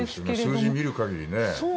数字を見る限りね。